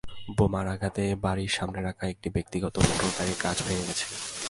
বোমার আঘাতে বাড়ির সামনে রাখা একটি ব্যক্তিগত মোটরগাড়ির কাচ ভেঙে গেছে।